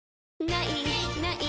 「ない！ない！